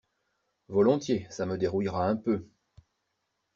Volontiers, ça me dérouillera un peu.